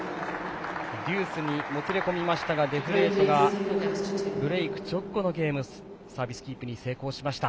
デュースにもつれ込みましたがデフロートがブレーク直後のゲームサービスキープに成功しました。